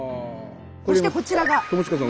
そしてこちらが。